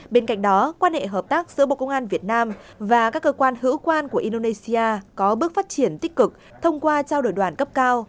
bên cạnh đó quan hệ hợp tác giữa bộ công an việt nam và các cơ quan hữu quan của indonesia có bước phát triển tích cực thông qua trao đổi đoàn cấp cao